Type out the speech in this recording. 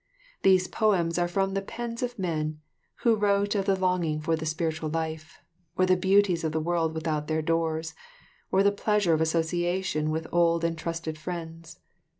These poems are from the pens of men who wrote of the longing for the spiritual life, or the beauties of the world without their doors, or the pleasure of association with old and trusted friends.